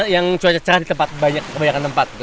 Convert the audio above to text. yang cuaca cerah di tempat kebanyakan tempat